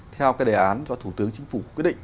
theo cái đề án do thủ tướng chính phủ quyết định